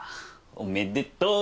おめでとう。